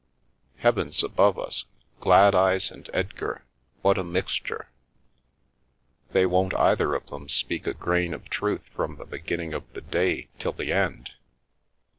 Heavens above us — Gladeyes and Edgar! What a mixture 1 They won't either of them speak a grain of truth from the beginning of the day till the end!